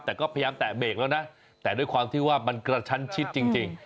แต่ก็พยายามแตะเบรกแล้วนะแต่ด้วยความที่ว่ามันกระชั้นชิดจริง